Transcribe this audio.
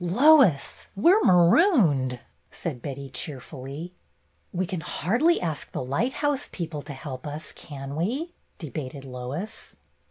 "Lois, we're marooned!" said Betty, cheerfully. "We can hardly ask the lighthouse people to help us, can we ?" debated Lois.